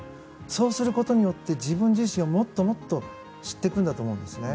そうすることによって自分自身をもっと知っていくんだと思うんですね。